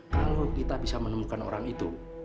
kalau kita bisa menemukan orang itu